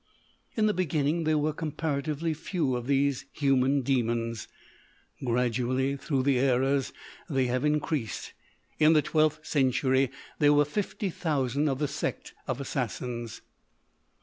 "In the beginning there were comparatively few of these human demons. Gradually, through the eras, they have increased. In the twelfth century there were fifty thousand of the Sect of Assassins.